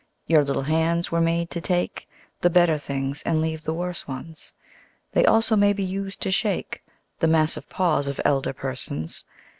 Your little hands were made to take The better things and leave the worse ones. They also may be used to shake The Massive Paws of Elder Persons.